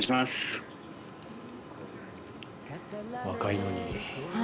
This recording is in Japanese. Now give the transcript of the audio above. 若いのに。